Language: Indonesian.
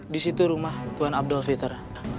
disitu rumah tuan adolf peter